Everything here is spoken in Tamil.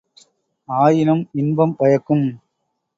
ஆயினும் இன்பம் பயக்கும்.